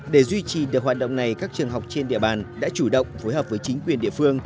để duy trì được hoạt động này các trường học trên địa bàn đã chủ động phối hợp với chính quyền địa phương